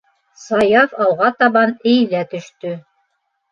- Саяф алға табан эйелә төштө.